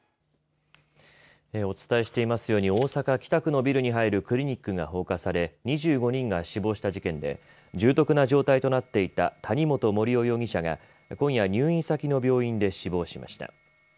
お伝えしていますように大阪北区のビルに入るクリニックが放火され２５人が死亡した事件で重篤な状態となっていた谷本盛雄容疑者が今夜入院先の病院で死亡しました。